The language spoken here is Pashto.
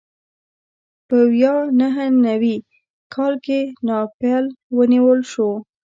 په ویا نهه نوي کال کې ناپل ونیول شو.